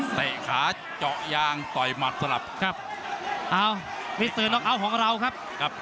เตะขาเจาะยางต่อยหมัดสลับครับอ้าวมิเตอร์น็อกเอาท์ของเราครับครับ